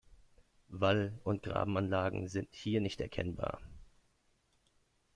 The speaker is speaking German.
Wall- und Grabenanlagen sind hier nicht erkennbar.